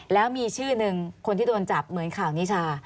แล้วมีชื่อหนึ่งคนที่โดนจับเหมือนข่าวนิชา